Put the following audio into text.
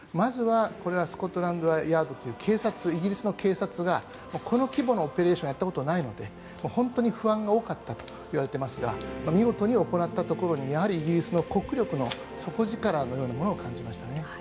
まずは、スコットランドヤードイギリスの警察がこの規模のオペレーションを行ったことがないので本当に不安が多かったといわれていますが見事に行ったところにイギリスの国力の底力のようなものを感じましたね。